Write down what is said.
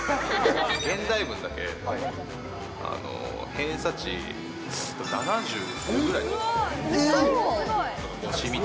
現代文だけ偏差値７５ぐらい取った。